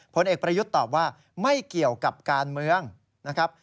ผลเอกประยุทธ์ตอบว่าไม่เกี่ยวกับการเมืองนะครับ